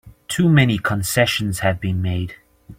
Too many concessions have been made!